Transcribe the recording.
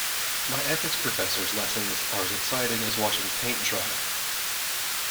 My ethics professor's lessons are as exciting as watching paint dry.